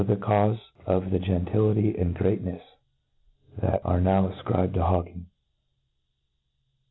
was the caufc of the gentility and greatnefe that are now afcribed to hawking.